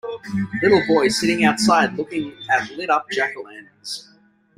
Little boy sitting outside looking at lit up jackolanterns.